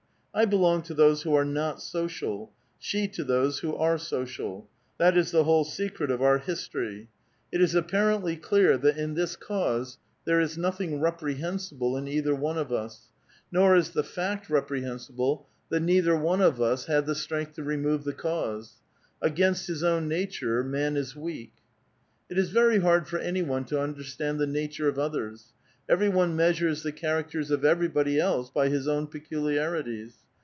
I belong to those who are not social ; she to those who are social. That is the whole secret of our history. It is apparently A VITAL QUESTION. 319 clear that in this cause there is nothing reprehensible in either one of us ; nor is the fact reprehensible that neither one of us had the strength to remove the cause. Against liic own nature man is weak. '* it is very hard for an} one to understand the nature of others. Every one measures the characters of everybody else by his own peculiarities.